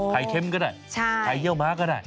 เค็มก็ได้ไข่เยี่ยวม้าก็ได้